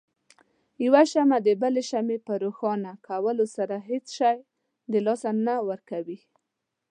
يوه شمعه دبلې شمعې په روښانه کولو سره هيڅ شی د لاسه نه ورکوي.